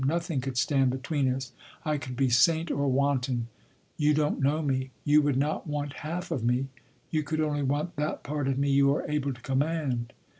Nothing could stand between us. I could be saint or wanton. You don’t know me. You would not want half of me. You could only want that part of me you are able to command.